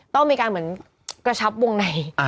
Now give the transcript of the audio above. ต้องมีการเหมือนกระชับวงใน